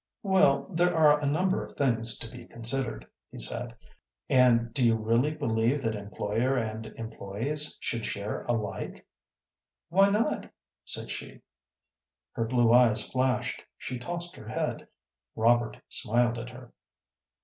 "Well, there are a number of things to be considered," he said. "And do you really believe that employer and employés should share alike?" "Why not?" said she. Her blue eyes flashed, she tossed her head. Robert smiled at her.